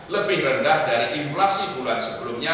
lebih rendah dari inflasi bulan sebelumnya